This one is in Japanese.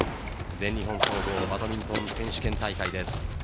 全日本総合バドミントン選手権大会です。